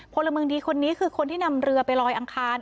พลเมืองดีคนนี้คือคนที่นำเรือไปลอยอังคาร